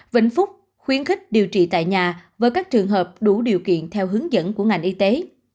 vĩnh phúc khuyến khích điều trị tại nhà với các trường hợp đủ điều kiện theo hướng dẫn của ngành y tế